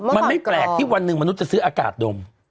มันไม่แปลกที่วันหนึ่งมนุษย์จะซื้ออากาศดม